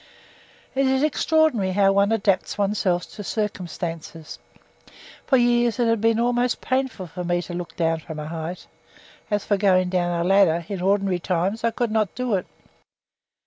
It is extraordinary how one adapts oneself to circumstances. For years it has been almost painful to me to look down from a height; as for going down a ladder, in ordinary times I could not do it.